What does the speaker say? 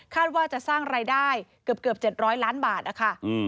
ว่าจะสร้างรายได้เกือบ๗๐๐ล้านบาทนะคะ